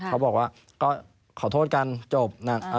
เขาบอกว่าก็ขอโทษกันจบ